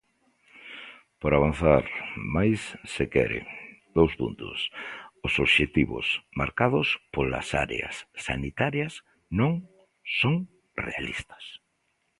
Podo avanzar máis se quere: os obxectivos marcados pola áreas sanitarias non son realistas.